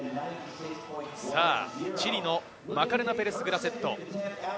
チリのマカレナ・ペレス・グラセット。